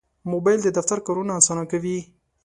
موبایل د دفتر کارونه اسانه کوي.